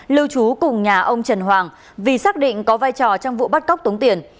lưu trú cùng nhà ông trần hoàng vì xác định có vai trò trong vụ bắt cóc tống tiền